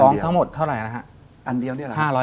นี่ทั้งหมดเท่าไหร่นะฮะอันเดียวนี่แหละ